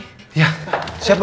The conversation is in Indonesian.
iya siap mbak